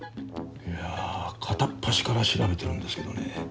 いや片っ端から調べてるんですけどね